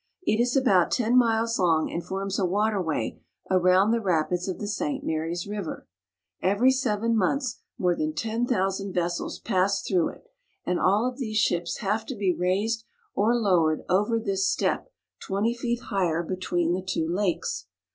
It is about ten miles long, and forms a waterway around the rapids of the St. Marys River. Every seven months more than ten thousand vessels pass through it, and all of these ships have to be raised or lowered over this step twenty feet high between the two lakes.